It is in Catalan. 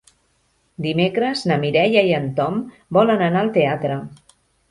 Dimecres na Mireia i en Tom volen anar al teatre.